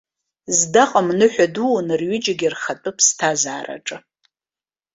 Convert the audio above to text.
Здаҟам ныҳәа дуун рҩыџьагьы рхатәы ԥсҭазаараҿы.